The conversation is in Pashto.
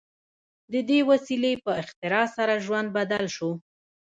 د دې وسیلې په اختراع سره ژوند بدل شو.